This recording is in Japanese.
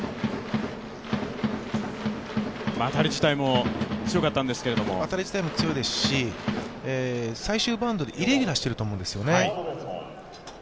当たり自体も強かったんですけれども、最終バウンドでイレギュラーしていると思うんですよね。